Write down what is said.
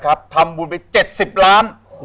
คุณซูซี่